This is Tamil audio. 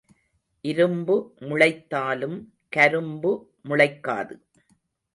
இரும்பு முளைத்தாலும் கரும்பு முளைக்காது.